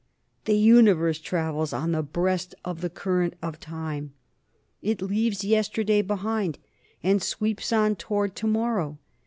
The Universe travels on the breast of the current of time. It leaves yesterday behind, and sweeps on towards to morrow.